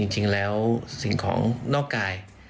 จริงแล้วสิ่งของนอกกาย